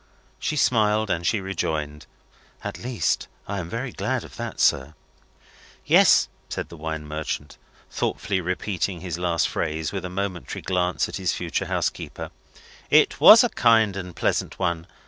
She smiled, as she rejoined: "At least, I am very glad of that, sir." "Yes," said the wine merchant, thoughtfully repeating his last phrase, with a momentary glance at his future housekeeper, "it was a kind and pleasant one.